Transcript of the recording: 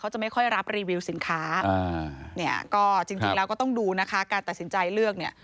จริงแล้วก็ต้องดูนะคะการตัดสินใจนี่